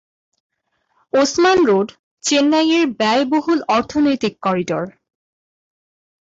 Osman Road চেন্নাইয়ের ব্যয় বহুল অর্থনৈতিক করিডোর।